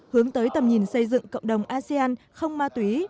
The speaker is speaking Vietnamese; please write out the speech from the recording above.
hướng tới tầm nhìn xây dựng cộng đồng asean không ma túy